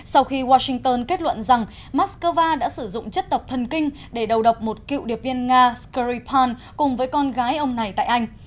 sau khi washington kết luận rằng moscow đã sử dụng chất độc thần kinh để đầu độc một cựu điệp viên nga scri pan cùng với con gái ông này tại anh